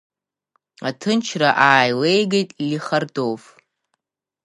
Аҭынчра ааилеигеит Лихардов.